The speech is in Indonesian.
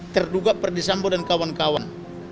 terduga perdisambo dan kawan kawan